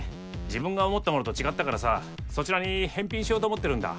自分が思ったものと違ったからさそちらに返品しようと思ってるんだ。